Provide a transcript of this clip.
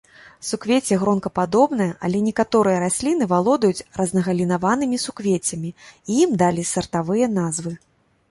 Суквецце гронкападобнае, але некаторыя расліны валодаюць разгалінаванымі суквеццямі і ім далі сартавыя назвы.